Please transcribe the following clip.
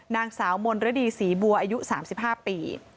นางสาวมนฤดีศรีบัวอายุ๓๕ปี